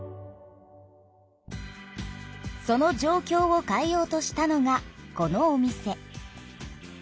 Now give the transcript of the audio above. その状きょうを変えようとしたのがこのお店。